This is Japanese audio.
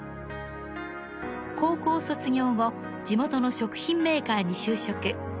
高校卒業後地元の食品メーカーに就職。